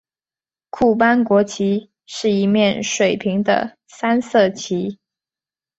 库班国旗是一面水平的三色旗。